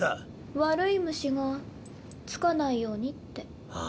悪い虫が付かないようにって。はあ？